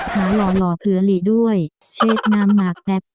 หาหล่อหล่อเผื่อหลีด้วยเชศนามหนักแปบ